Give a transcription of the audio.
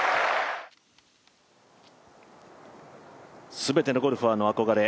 全てのゴルファーの憧れ